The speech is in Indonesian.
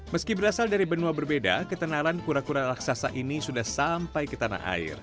meski berasal dari benua berbeda ketenaran kura kura raksasa ini sudah sampai ke tanah air